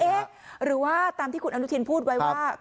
หรือว่าตามที่คุณอนุทินพูดไว้ว่า